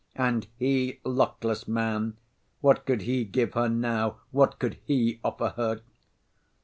And he, luckless man, what could he give her now, what could he offer her?